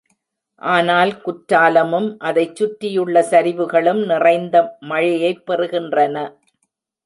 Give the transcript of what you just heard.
ஆனால் குற்றாலமும் அதைச் சுற்றியுள்ள சரிவுகளும் நிறைந்த மழையைப் பெறுகின்றன.